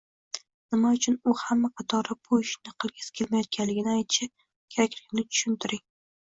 nima uchun u hamma qatori bu ishni qilgisi kelmayotganligini aytishi kerakligini tushuntiring